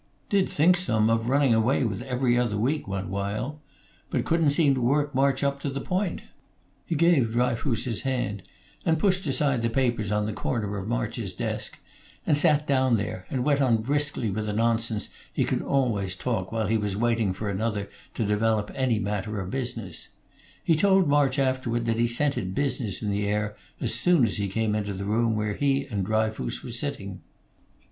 Did think some of running away with 'Every Other Week' one while, but couldn't seem to work March up to the point." He gave Dryfoos his hand, and pushed aside the papers on the corner of March's desk, and sat down there, and went on briskly with the nonsense he could always talk while he was waiting for another to develop any matter of business; he told March afterward that he scented business in the air as soon as he came into the room where he and Dryfoos were sitting.